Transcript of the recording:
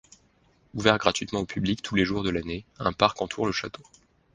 Ouvert gratuitement au public tous les jours de l'année, un parc entoure le château.